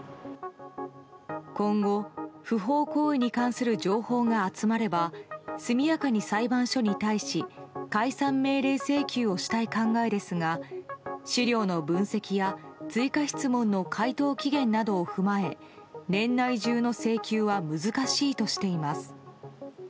今後、不法行為に関する情報が集まれば速やかに裁判所に対し解散命令請求をしたい考えですが資料の分析や追加質問の回答期限などを踏まえ年内中の請求は難しいとしています。